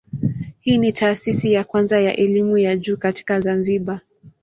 Hii ni taasisi ya kwanza ya elimu ya juu katika Zanzibar.